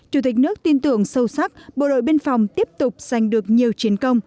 chủ tịch nước tin tưởng sâu sắc bộ đội biên phòng tiếp tục giành được nhiều chiến công